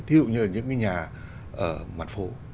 ví dụ như là những cái nhà ở mặt phố